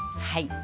はい。